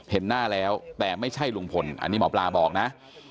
เห็นหน้าแล้วแต่ไม่ใช่ลุงพลอันนี้หมอปลาบอกนะ